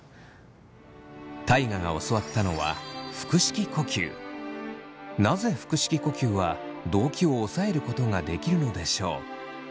大我が教わったのはなぜ腹式呼吸は動悸を抑えることができるのでしょう。